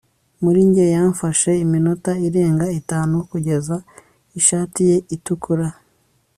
muri njye. yamfashe iminota irenga itanu, kugeza ishati ye itukura